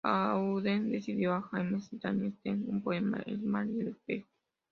Auden dedicó a James y Tania Stern su poema "El mar y el espejo".